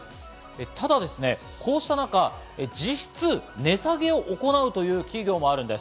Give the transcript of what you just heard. ただこうした中、実質値下げを行うという企業もあるんです。